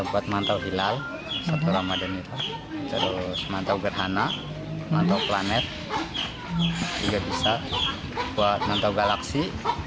buat mantau hilal satu ramadhan itu terus mantau gerhana mantau planet juga bisa buat mantau galaksi